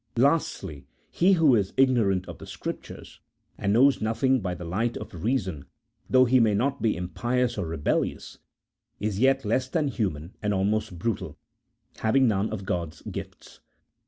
Lastly, he who is ignorant of the Scriptures and knows nothing by the light of reason, though he may not be impious or rebellious, is yet less than human and almost brutal, having none of God's gifts.